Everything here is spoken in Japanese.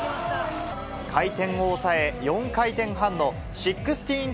回転を抑え、４回転半の１６２０。